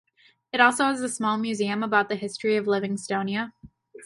It also has a small museum about the history of Livingstonia.